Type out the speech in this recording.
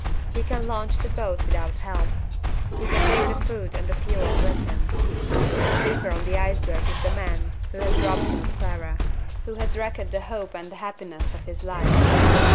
He can launch the boat without help; he can take the food and the fuel with him. The sleeper on the iceberg is the man who has robbed him of Clara who has wrecked the hope and the happiness of his life.